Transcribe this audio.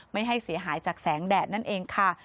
ไม่ให้เสียหายจากแสงแดดนั่นเองค่ะ